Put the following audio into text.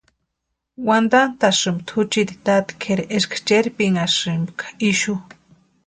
Wantantʼaspti juchiti táti kʼéri eska cherpinhasïampka ixu.